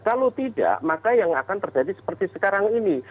kalau tidak maka yang akan terjadi seperti sekarang ini